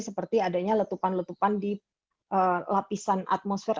seperti adanya letupan letupan di lapisan atmosfer